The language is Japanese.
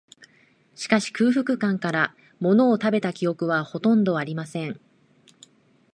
しかし、空腹感から、ものを食べた記憶は、ほとんどありません